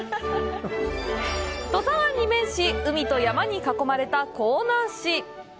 土佐湾に面し、海と山に囲まれた香南市。